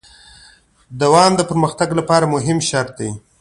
دوام د پرمختګ لپاره مهم شرط دی.